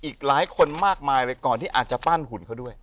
อีกหลายคนมากมายเลยก่อนที่อาจจะปั้นหุ่นเขาด้วย